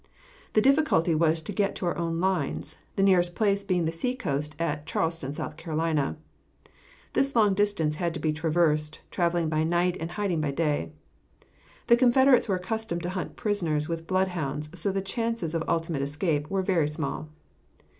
The difficulty was to get to our own lines, the nearest place being the seacoast at Charleston, S. C. This long distance had to be traversed, travelling by night and hiding by day. The Confederates were accustomed to hunt prisoners with bloodhounds, so the chances of ultimate escape were very small.